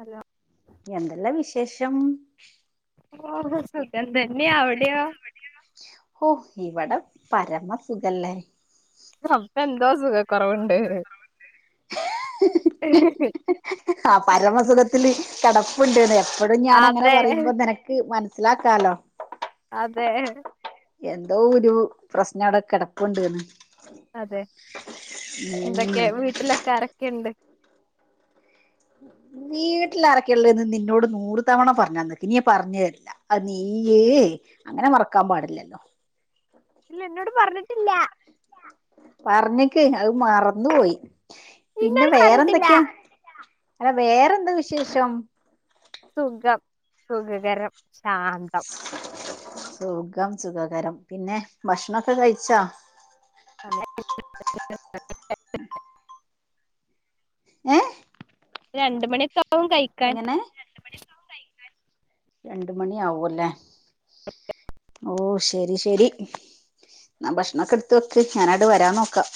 Hello എന്തല്ലാ വിശേഷം? ഓഹോ സുഖം തന്നെയാ അവിടെയോ? ഓ ഇവിടെ പരമസുഖല്ലേ? അപ്പ എന്തോ സുഖക്കൊറവുണ്ട് ആ പരമസുഖത്തില് കടപ്പുണ്ട്ന്ന് അത് ഞാൻ അങ്ങനെ അതെ പറയുമ്പോ നെനക്ക് മനസ്സിലാക്കാലോ അതെ എന്തോ ഒരു പ്രശ്നം അവടെ കെടപ്പുണ്ട്ന്ന്. അതെ ഉം എന്തൊക്കെ? വീട്ടിലൊക്കെ ആരൊക്കെണ്ട്? വീട്ടിലാരക്കെയുള്ള്ന്ന് നിന്നോട് നൂറ് തവണ പറഞ്ഞന്ന്ക്ക് ഇഞ്ഞി ഞാൻ പറഞ്ഞരില്ല. ആ നീ യേ അങ്ങനെ മറക്കാൻ പാടില്ലല്ലോ ഉം ല്ല പറഞ്ഞിക്ക് അത് മറന്നു പോയി പിന്നെ ഇന്നോട് പറഞ്ഞിട്ടില്ല വേറെന്തൊക്കെയാ? അല്ല വേറെന്താ വിശേഷം? സുഖം സുഖകരം ശാന്തം സുഖം സുഖകരം പിന്നെ ഭക്ഷണം ഒക്കെ കഴിച്ചാ? [unintelligible] ഉ ഏ രണ്ട് മണിക്കെ ആകും കഴിക്കാൻ രണ്ട് മണി ആവൂല്ലേ? ഓ ശരി ശരി. ന്നാ ഭക്ഷണൊക്കെ എടുത്ത് വെക്ക് ഞാൻ അങ്ങട് വരാൻ നോക്കാം.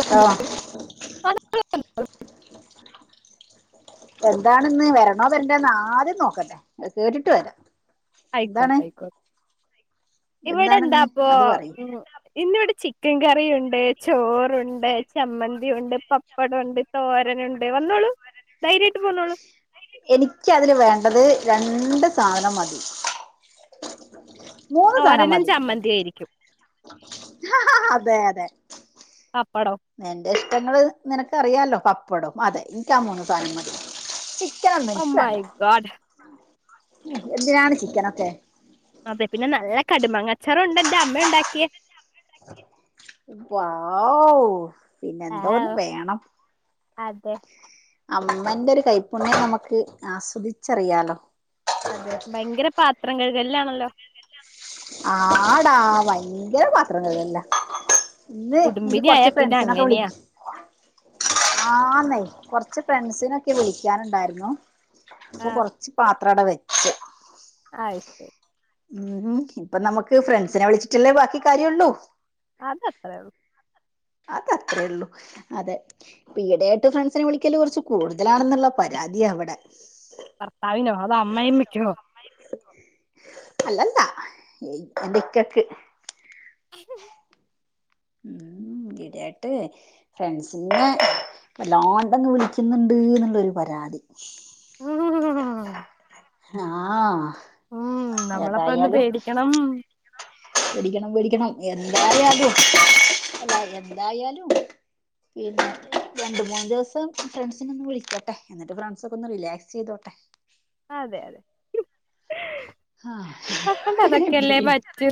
ട്ടോ അൽ എന്താണന്ന് വരണോ വരണ്ടേന്ന് ആദ്യം നോക്കട്ടെ. കേട്ടിട്ട് വരാം. എന്താണ് ആയിക്കോട്ടെ ആയിക്കോ ഇവിടെ എന്താണിന്ന് എന്താപ്പോ അത് പറയ് ഇന്നിവിടെ ചിക് ചിക്കൻ കറിയുണ്ട്. ചോറുണ്ട്. ചമ്മന്തി ഉണ്ട്. പപ്പടൊണ്ട്. തോരനൊണ്ട് വന്നോളൂ. [unintelligible] പോന്നോളൂ എനിക്ക്അതില് വേണ്ടത് രണ്ട് രണ്ട് സാനം മതി മൂന്ന് സാനം തോരനും മതി. ചമ്മന്തിയും ആയിരിക്കും ആ ഹാ ഹാ അതെ അതെ പപ്പടോ ഞങ്ങള് നിനക്കറിയാലോ പപ്പടം. അതെ എനിക്കാ മൂന്ന് സാനം മതി. ചിക്കനൊന്നും ഓ ഇൻക്ക് മൈ വേണ്ട. ഗോഡ് എന്തിനാണ് ചിക്കനൊക്കെ അതെ. പിന്നെ നല്ല കടുമങ്ങച്ചാറുണ്ട് എൻറെ അമ്മ ഉണ്ടാക്കിയെ വൗ പിന്നെ എന്തോന്ന് വാവ് വേണം. അതെ അമ്മന്റെഒരു കൈപ്പുണ്ണ്യം നമുക്ക് ആസ്വദിച്ചറിയാലോ അതെ ഭയങ്കര പാത്രം കഴുകല്ലാണല്ലോ? ആടാ ഭയങ്കര പാത്രം കഴുകല്ലാ ഇന്ന് നിക്ക് കുടുംബിനി ആയാ കൊറച്ച് പിന്നെ ഫ്രണ്ട്സിനൊക്കെ അങ്ങനെയാ വിളിച്ച്. ആ ന്നൈ കൊറച്ച് കുറച്ച്ഫ്രണ്ട്സിനൊക്കെ വിളിക്കാനുണ്ടായിരുന്നു. ആ അപ്പൊ കൊറച്ച് പാത്ര അവടെവെച്ച് ആയ് ഉം. ഇപ്പൊ നമുക്ക് ഫ്രണ്ട്സിനെ വിളിച്ചിട്ടല്ലേ ബാക്കി കാര്യം ഉള്ളൂ. അത് അത്രള്ളൂ. അത് അത്രേള്ളൂ. അതെ ഈ ഇടെ ആയിട്ട് ഫ്രണ്ട്സിനെ വിളിക്കല് കുറച്ച് കൂടുതലാണെന്നുള്ള പരാ- അതി അവടെ ഭർത്താവിനോ അതോ അമ്മായിമ്മയ്ക്കോ അല്ലല്ലാ എന്റെ ഇക്കക്ക്. [inaudible] ഉം ഇടായിട്ട് ഫ്രണ്ട്സിനെ വല്ലാണ്ടങ്ങ് വിളിക്കുന്നുണ്ട് എന്നുള്ളൊരു പരാതി ഹ്ഹ്ഹ്ഹ് ആഹ നമ്മളപ്പോ ഒന്ന് ഏതായാലും പേടിക്കണം പേടിക്കണം പേടിക്കണം. എ [inaudible] യാലും അല്ല എന്തായാലും. പിന്നെ രണ്ട്, മൂന്ന്ദിവസം ഫ്രണ്ട്സിനെ ഒന്ന് വിളിക്കോട്ടെ. എന്നിട്ട് ഫ്രണ്ട്സ് ഒക്കെ ഒന്ന് റിലാക്സ് ചെയ്തോട്ടെ. അതെ അതെ ആഹ് ന്നെ കൊണ്ട് പി അതൊക്കെയല്ലേ പറ്റൂ.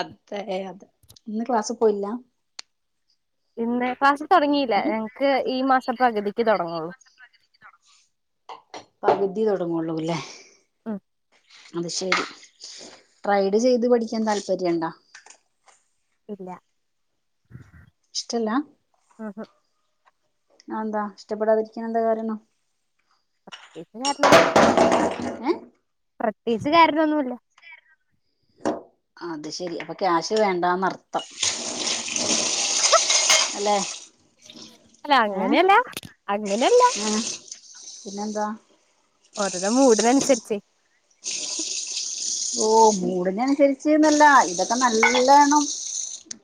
അതെ അതെ. ഇന്ന് ക്ലാസ്സ് പോയില്ലാ. ഇന്ന് ക്ലാസ്സ്തുടങ്ങിയില്ല. ഉം ഞങ്ങക്ക് ഈ മാസം പകുതിക്ക് തൊടങ്ങൊളൂ പക് തി തൊടങ്ങള്ളൂല്ലേ ആഹ അത് ശരി. ട്രൈഡ് ചെയ്ത് പഠിക്കാൻ താല്പര്യണ്ടാ ഇല്ല ഇഷ്ടല്ലാ? ആഹാ ആന്താ ഇഷ്ടപ്പെടാതിരിക്കൻ എന്താ കാരണം? പ്രത്യേകിച്ച്കാരണം ഒന്നുല്ലാ ഏഹ് പ്രത്യേകിച്ച് കാരണം ഒന്നുല്ല അത് ശെരി. അപ്പൊ ക്യാഷ് വേണ്ടാന്നർത്ഥം. അല്ലേ അല്ല. അങ്ങനെയല്ല, അങ്ങനെയല്ല പിന്നെ എന്താ ഓരോരോ മൂടിനൻസര്ച്ച്. ഓ മൂടിനൻസര്ച്ച്ന്നല്ല ഇതൊക്കെ നല്ലണം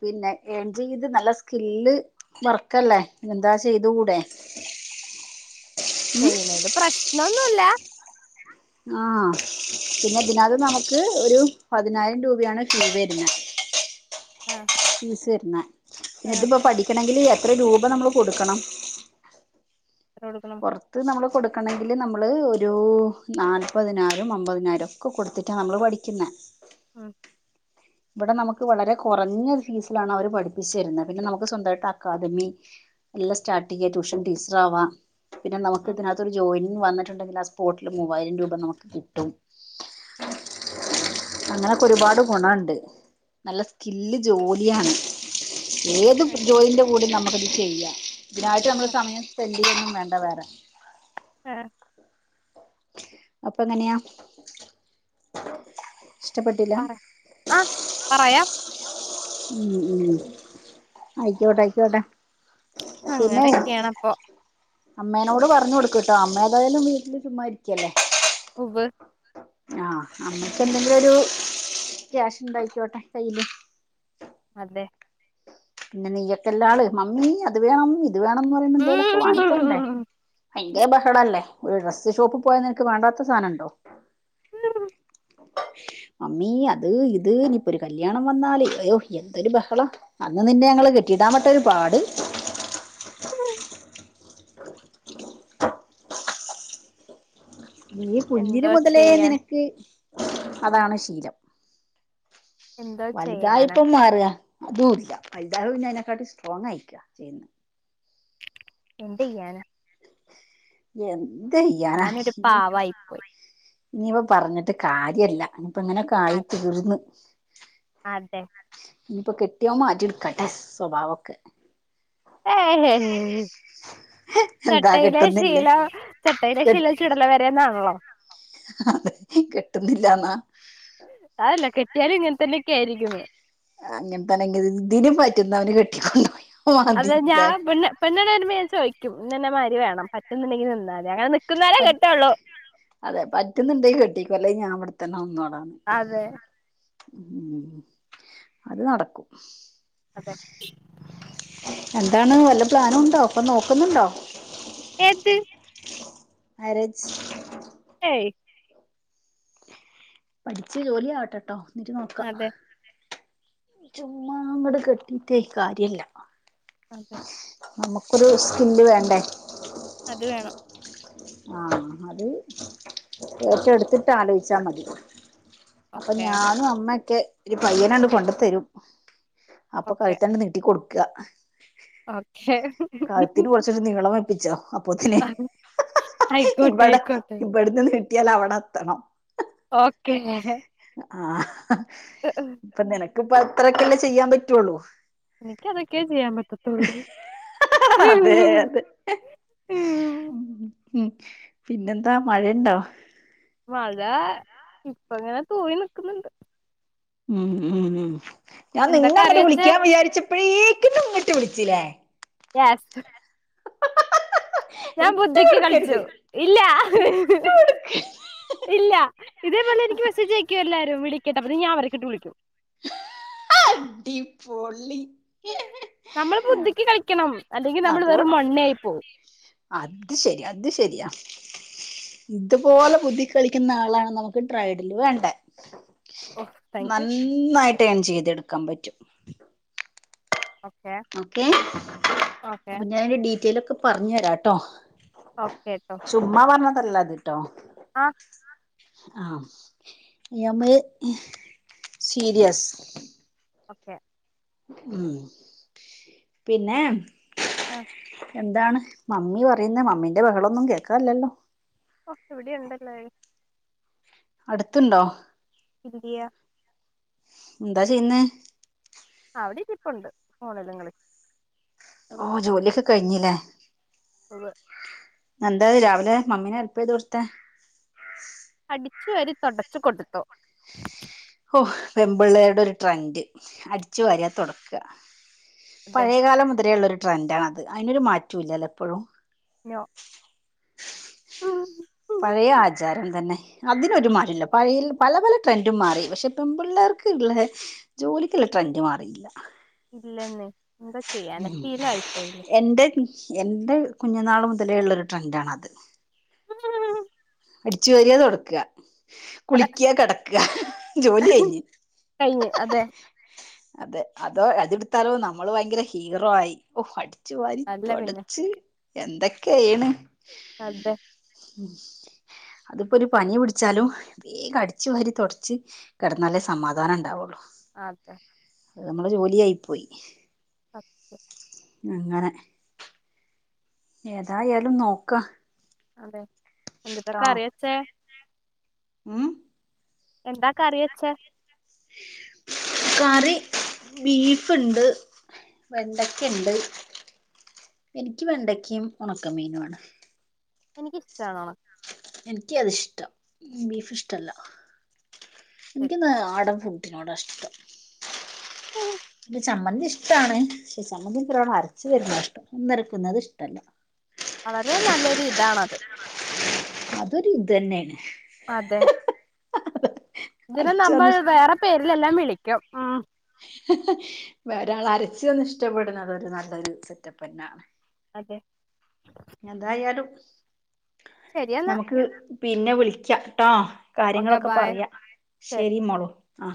പിന്നെ ഏൺ ചെയ്ത് നല്ല സ്കില്ല് വർക്കല്ലേ എന്താ ചെയ്ത് കൂടെ. [unintelligible] ചെയ്ണേല് പ്രശ്നൊന്നുല്ല. ആഹ പിന്നെ ഇതിനകത്ത് നമുക്ക് ഒരു പതിനായിരം രൂപയാണ് കി [inaudible] വരുന്നേ. ആഹ് ഫീസ് വര്ന്ന ന്നെതിപ്പം പഠിക്കണെങ്കില് എ എത്രയും രൂപ ന്നമ്മൾ കൊട്ക്കണം കൊടുക്കണം പൊർത്ത് ന്നമ്മള് കൊട് ക്കണമെങ്കില് ന്നമ്മള് ഒരു നാല്പതിനായിരോം അമ്പതിനായിരം ഒക്കെ കൊടുത്തിട്ടാണ് ന്നമ്മള് പഠിക്കിന്നെ. ആഹ് ഇവിടെ ന്നമക്ക് വളരെ കുറഞ്ഞ ഫീസിലാണ് അവര് പഠിപ്പിച്ചര്ന്നത് പിന്നെ ന്നമ്ക്ക് സ്വന്തായിട്ട് അക്കാദമി- എല്ലം സ്റ്റാർട്ട് ചെയ്യാ ട്യൂഷൻ ടീച്ചറാ വാം. പിന്നെ ന്നമ്ക്ക് ഉം ഇതിനത്ത് ഒരു ജോയിംങ്ങ് വന്നിട്ട്ണ്ടെങ്കിൽ ആ സ്പോർട്ടിൽ മൂവായിരം രൂപ ന്നമ്ക്ക് കിട്ടും. ഉം അങ്ങനൊക്കെ ഒരുപാട് ഗുണണ്ട് നല്ല സ്കില്ല് ജോലിയാണ്. ഏത് ജോലിന്റെ കൂടിം ന്നമ്മക്ക് ഇത് ചെയ്യാം ഇതിനായിട്ട് ന്നമ്മള് സമയം സ്പെൻ- [unintelligible] വേണ്ട വേറെ. ആ അപ്പൊ എങ്ങന്യാ? പറ ആഹ് പറയാം. മ് മ് അയ്ക്ക്യോട്ടെ അയ്ക്ക്യോട്ടെ. അങ്ങനൊക്ക്യേണപ്പൊ. അമ്മേനോട് പറഞ്ഞ് കൊട്ക്ക്ട്ടോ അമ്മ ഏതായാലും വീട്ടില് ചുമ്മാ ഇരിക്യല്ലേ. ഉവ്വ് ആഹ് അമ്മയ്ക്ക് എന്തെങ്കിലും ഒരു ക്യാഷ് ണ്ടായി ക്യോട്ടെ കയ്യില്. അതെ പിന്നെ നീയ്യൊക്കെല്ലാള് മമ്മീ അത് വേണം ഇത് വേണംന്ന് പറയുമ്പോ എന്തേ ലൊക്കെ വാങ്ങിത്തരാണ്ടേ ഉം [unintelligible] ബഹളല്ലേ. ഒരു ഡ്രസ്സ് ഷോപ്പ് പോയാ നിനക്ക് വേണ്ടാത്ത സാനംണ്ടോ? [unintelligible] അമ്മീ അത് ഇത് ഇനിപ്പോ ഒരു കല്യാണം വന്നാല് അയ്യോ എന്തൊരു ബഹളം. അന്ന് നിന്നെ ഞങ്ങള് കെട്ടിയിടാൻ പെട്ട ഒരു പാട്. നീ കുഞ്ഞില് എന്തോ മുതലേ ചെയ്യാൻ നിനക്ക് അതാണ് ശീലം. എന്തോ ചെയ്യാനാ വൽതായപ്പം മാറാ. അതൂല്ല വൽതായെപ്പം പിന്നെ അതിനെക്കാട്ടി സ്ട്രോങ്ങ് ആയക്കാ ചെയ് എന്ത്യ്യാനാ? എന്തേയ്യാനാ? ഞാനൊരു പാവായി പോയി [inaudible] ഇനിയിപ്പം പറഞ്ഞിട്ട് കാര്യല്ല ഇനിപ്പ ങ്ങനെയൊക്കെ ആയി തീർന്ന്. ട്ടെ ഇനിയിപ്പോ കെട്ട്യോൻ മാറ്റിയെട്ക്കട്ടെ സ്വഭാവൊക്കെ. ഏഹേ ഹേ എന്താ ചട്ടയിലെ കെട്ടുന്നില്ലേ ശീല ചട്ടയിലെ കെ ശീല ചുടല വരെന്നാൺല്ലോ. അതെ കിട്ട്ന്നില്ലാന്നാ. ആഅല്ല കെട്ട്യാലും ഇങ്ങൻ തന്നെ ക്യായിരിക്യുന്ന് അങ്ങൻ തന്നെങ്കിൽ ഇതിന്ന് പറ്റുന്നവന് കെട്ടി കൊണ്ട് പൊ അതെ ഞാൻ പെണ്ണ് പെണ്ണാനാണ് വര്മ്പം ഞാൻ ചോയ്ക്യും ന്നെ ന്നെ മായ്രി വേണം പറ്റുന്നുണ്ടെങ്കി നിന്നാതി അങ്ങനെ നിക് പറ്റ് അതെ പറ്റ്ന്ന്ണ്ടെങ്കി കെട്ടീക്കൊ അല്ലെ ഞാൻ ഇവിടെ തന്നെ നിന്നോ അതെ മ് അത് നടക്കും. അതെ എന്താണ് വല്ല പ്ലാനുണ്ടോ പ്പൊ നോക്കുന്നുണ്ടോ? ഏത്ത് മേരേജ് ഏയ് പഠിച്ച് ജോലിയാവട്ടെട്ടോ ന്നിട്ട് ന്നോക്ക. അതെ ചുമ്മാ അങ്ങട് കെട്ടീട്ടെ കാര്യാല്ല ആ. [unintelligible] നമ്മുക്കൊരു സ്കില്ല് വേണ്ടേ? അത് വേണം. ആ അത് ഏറ്റെടുത്തിട്ടാലോയ്ച്ചാ മതി. അപ്പൊ ഓക്കെ ഞാനും അമ്മെക്കെ ഒരു പയ്യനണ് കൊണ്ടത്തരും. അപ്പൊ ഓക്കെ കഴുത്തണ്ട് നീട്ടി കൊട്ക്ക. ഓക്കെ കഴ്ത്തിന് കൊർച്ചുടി നീളം വെപ്പിച്ചോ അപ്പോത്തിന്. ആയിക്കോട്ടെ ഇവടെ ആയിക്കോട്ടെ ഇവടന്ന് നീട്ട്യാൽ അവടെത്തണം. ഓക്കെ. ആഹ് ഇപ്പ നിനക്കിപ്പത്രെക്കെല്ലെ ചെയ്യാപറ്റുള്ളൂ. നിക്കതൊക്കെ ചിയ്യാൻ പറ്റ് ത്തുള്ളൂ അതെ അതെ ഉം ഉം പിന്നെന്താ മഴെണ്ടോ? മഴ ഇപ്പങ്ങനെ തൂവി നിക്കിന്നിണ്ട്. ഉം ഉം ഉം ഞാൻ എന്താ കറി നിന്നങ്ങട്ട് വെച്ചേ വിളിക്കാ വിചാര്ച്ച് പ്പഴേക്കിനും ഇങ്ങിട്ട് വിളിച്ച് ലേ യാസ് ഞാൻ വിട്ട് ബുദ്ധിക്ക് കൊടുക്കരുത് കൾച്ചു ഇല്ല വിട്ട് കൊടുക്ക ഇല്ല, ഇതേപോലെനിക്ക് മെസ്സേജയ്ക്ക്വെല്ലാരും വിളിക്കട്ടെ [unintelligible] ഞാൻ അവരക്കെട്ട് വിളിക്കും. അഡ്ഡി പൊളി നമ്മൾ ബുദ്ധിക്ക് കളിക്കണം അല്ലെങ്കി നമ്മള് വെറും അതുകൊണ്ട് മൊണ്ണെയി പോവും. അത് ശെരി അത് ശെരിയാ. ഇതുപോലെ ബുദ്ധിക്ക് കളിക്കിന്ന ആളാണ് നമുക്ക് ട്രൈഡില് വേണ്ടേ. ഓ താങ്ക് യു നന്നായിട്ടേൺ ചെയ്തെടുക്കാൻ പറ്റും. ഓക്കെ ഓക്കെ, ഓക്കെ അപ്പൊ ഞാനൊരു ഡീറ്റേയ്ലൊക്കെ പർഞ്ഞെരാട്ടോ. ഓക്കെട്ടോ. വല്ലാതിട്ടോ ആഹ് ഇനി അമ്മെ സീരിയസ്. ഓക്കെ. ഉം പിന്നേ ആ ന്താണ് മമ്മി പറിന്നെ മമ്മിന്റെ ബഹളൊന്നും കേക്കാല്ലല്ലോ? ഓ ഇവിടെയുണ്ടല്ലോ. അട്ത്തിണ്ടോ? ഇല്ല്യ ഇന്താ ചെയ്യുന്നേ? അവിടെരിപ്പൊണ്ട് ഫോണിലും കളി ഓ ജോല്യൊക്കെ കഴിഞ്ഞ് ലേ ഉവ്വ് എന്തായ് രാവിലെ മമ്മീനെ ഹെല്പെയ്തൊട്ത്തെ? അടിച്ച് വാരി തൊടച്ചു കൊടുത്തു. ഓ പെമ്പിള്ളേരുടെ ഒരു ട്രൻഡ് അടിച്ചു വരാ തൊടക്ക. അതെ പഴേകാലം മുതലേള്ളൊരു ട്രെൻ്റാണത്. അയിനൊരു മാറ്റോല്ലലേപ്പഴും. നൊ പഴേ ആജാരം തന്നെ അതിനൊരുമാറ്റല്ല പഴേ പല പല ട്രെൻഡും മാറി പക്ഷെ പെൺപിള്ളേർക്ക് ഇള്ള ജോലിക്കിള്ള ട്രെൻഡ് മാറീല്ല ഇല്ലെന്നെ എന്താ ചെയ്യാനാ ശീലം ആയിപ്പോയില്ലേ എന്റെ എന്റെ കുഞ്ഞുനാൾ മുതലേള്ളൊരു ട്രെന്റാണത് [inaudible] അടിച്ചു വാര്യ തൊടക്ക കുളിക്യാ കേടാകാ ജോലി കയിഞ് കഴിഞ്ഞ് അതെ അതെ അതോ അതെടുത്താലോ നമ്മൾ ഭയങ്കര ഹീറോ ആയി ഓ അടി ലിച്ച വാരി അല്ല പിന്നെ തോടച്ച് എന്തോകയാണ് അതെ ഉം ഹ് അതിപ്പോരു പനി പിടിച്ചാലും വേഗം അടിച്ചു വാരി തോടച്ച് കിടന്നാലേ സമാധാനംണ്ടാവുള്ളു അതെ അത് നമ്മളെ ജോലി ആയി പോയി അക് [inaudible] ഇങ്ങനെ ഏതായാലും നോക്ക. അതെ എന്തുട്ടാ കറിവച്ച ഉം എന്താ കറിവചെ? കറി ബീഫ്ണ്ട് വെണ്ടക്കണ്ട്. എനിക്ക് വെണ്ടക്കീ ഉണക്കമീനു ആണ്. എനക്ക്ഷ്ട്ടാ ഒണ- എനിക്ക് അതി ഇഷ്ടം ബീഫ് ഇഷ്ടല്ല ഉണക്കശരി എനിക്ക്‌ നാടൻ ഫു ടിനോടഷ്ട്ടം ച് ചമ്മന്തി ഇഷ്ട്ടാണ് പക്ഷെ ചമ്മന്തി എനിക്ക് ഒരാള് അരച്ച് തര്ണതാ ഇഷ്ടം ന്തിഅരക്ക്‌നത് ഇഷ്ടല്ല വളരെ നല്ലൊരു ഇതാണത് അതൊരു ഇതന്നെയാണ്. അതെ ഇതിനെ അരച്ച് നമ്മൾ തന്ന് വേറെ പേരിലെല്ലാം വിളിക്കും ഉം. ഹ് ഹ് വേറെരാൾ അരച്ച് തന്ന ഇഷ്ടപ്പെടുന്നത് ഒരു നല്ലൊരു സെറ്റപന്നെആ ണ് അതെ എന്തായാലും ശരിയെന്നാ നമുക്ക് പിന്നെ വിളിക്കാട്ടോ. ഓക്കെ കാര്യങ്ങളൊക്കെ ബായ് പറയാ ശരി മോളു ആ